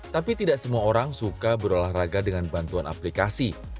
tapi tidak semua orang suka berolahraga dengan bantuan aplikasi